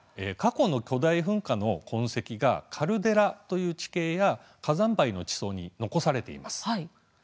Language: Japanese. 過去の巨大噴火の痕跡がカルデラという地形や火山灰の地層に残されています。